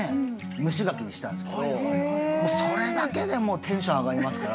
蒸しガキにしたんですけどもうそれだけでテンション上がりますから。